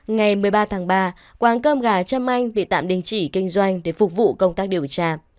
ngày một mươi ba tháng ba quán cơm gà trâm anh bị tạm đình chỉ kinh doanh để phục vụ công tác điều tra